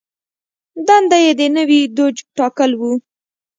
دنده یې د نوي دوج ټاکل و.